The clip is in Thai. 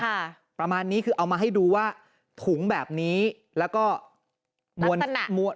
ประมาณนี้คือเอามาให้ดูว่าถุงแบบนี้แล้วก็มวลมวล